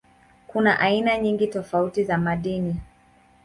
Kuna aina nyingi tofauti za madini.